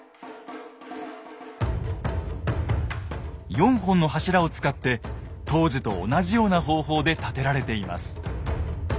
４本の柱を使って当時と同じような方法で建てられています。